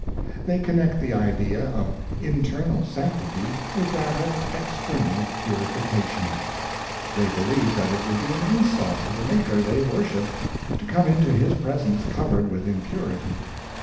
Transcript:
They con nect the idea of internal sanctity with that of external purification. They feel that it would be an insult to the Maker they worship to come into his presence covered v/ith impurity.